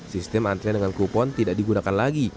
sistem antrian dengan kupon tidak digunakan lagi